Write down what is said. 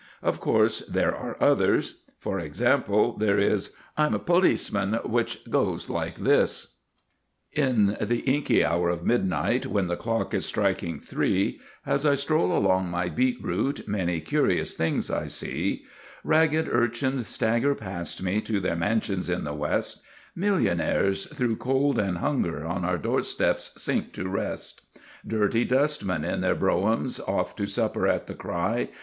Of course, there are others; for example, there is I'm a P'liceman, which goes like this: In the inky hour of midnight, when the clock is striking three, As I stroll along my beet root, many curious things I see: Ragged urchins stagger past me to their mansions in the west; Millionaires, through cold and hunger, on our doorsteps sink to rest; Dirty dustmen in their broughams, off to supper at the "Cri."